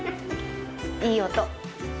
いい音。